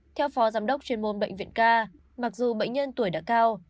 theo phó giám đốc chuyên môn bệnh viện k mặc dù bệnh nhân tuổi đã cao